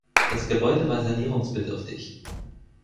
Das Gebäude war sanierungsbedürftig.